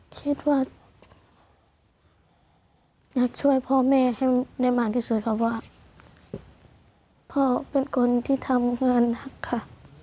คิดว่าอยากช่วยพ่อแม่ให้ได้มากที่สุดครับว่าพ่อเป็นคนที่ทำงานหนักค่ะ